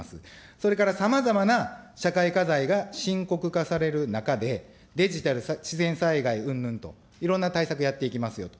それからさまざまな社会課題が深刻化される中で、デジタル、自然災害うんぬんと、いろんな対策をやっていきますよと。